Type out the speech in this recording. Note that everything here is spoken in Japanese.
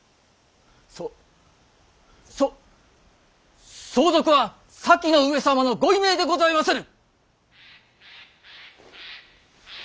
そ相続は先の上様のご遺命でございまする！